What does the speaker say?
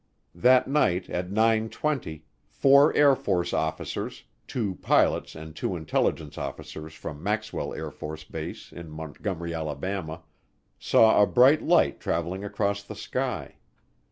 That night at nine twenty, four Air Force officers, two pilots, and two intelligence officers from Maxwell AFB in Montgomery, Alabama, saw a bright light traveling across the sky.